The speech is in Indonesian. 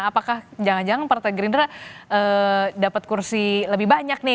apakah jangan jangan partai gerindra dapat kursi lebih banyak nih